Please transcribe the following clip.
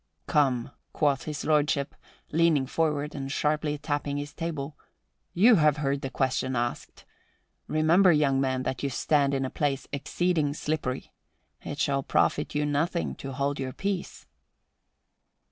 "Come," quoth His Lordship, leaning forward and sharply tapping his table, "you have heard the question asked. Remember, young man, that you stand in a place exceeding slippery. It shall profit you nothing to hold your peace."